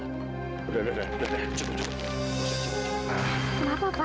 sudah sudah sudah cepat cepat